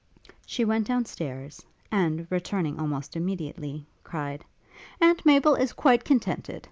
She went down stairs, and, returning almost immediately, cried, 'Aunt Maple is quite contented.